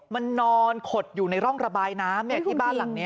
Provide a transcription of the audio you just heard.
มันนอนขดอยู่ในร่องระบายน้ำที่บ้านหลังนี้